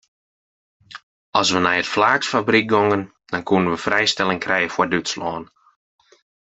As we nei it flaaksfabryk gongen dan koenen we frijstelling krije foar Dútslân.